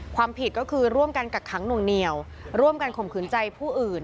ความผิดก็คือร่วมกันกักขังหน่วงเหนียวร่วมกันข่มขืนใจผู้อื่น